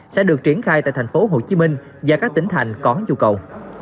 sẽ được triển khai tại tp hcm và các tỉnh thành có nhu cầu